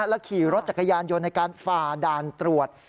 และขี่รถจักรยานยนต์ในการฝ่าด่านตรวจ